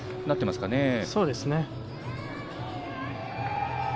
そうですね。